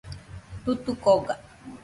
Tutuko oga